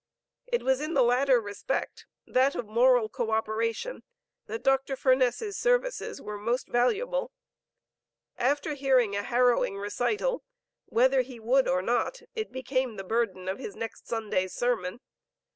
It was in the latter respect, that of moral co operation, that Dr. Furness's services were most valuable. After hearing a harrowing recital, whether he would or not, it became the burden of his next Sunday's sermon.